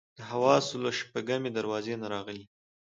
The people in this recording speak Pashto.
د حواسو له شپږمې دروازې نه راغلي.